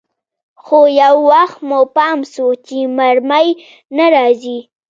خو يو وخت مو پام سو چې مرمۍ نه راځي.